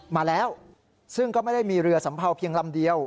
มาแล้วซึ่งก็ไม่ได้มีเรือสัมเภาเพียงลำเดียว